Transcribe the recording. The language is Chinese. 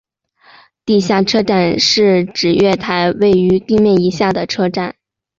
地下车站是指月台位于地面以下的车站。